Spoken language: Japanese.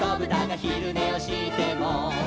「ひるねをしても」